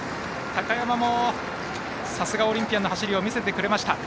高山もさすがオリンピアンの走りを見せてくれました。